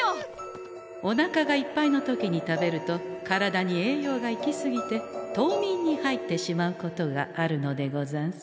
おなかがいっぱいの時に食べると体に栄養が行き過ぎて冬眠に入ってしまうことがあるのでござんす。